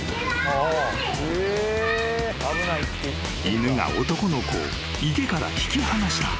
［犬が男の子を池から引き離した］